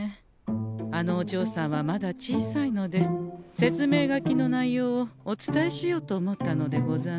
あのおじょうさんはまだ小さいので説明書きの内容をお伝えしようと思ったのでござんすが。